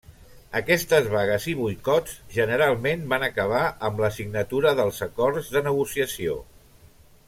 Aquestes vagues i boicots generalment van acabar amb la signatura dels acords de negociació.